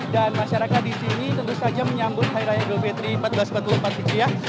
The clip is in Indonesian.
dan masyarakat di sini tentu saja menyambut hari raya dufi fitri seribu empat ratus empat puluh empat hijriah